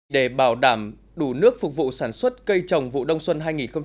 để bảo đảm đủ nước phục vụ sản xuất cây trồng vụ đông xuân hai nghìn hai mươi hai nghìn hai mươi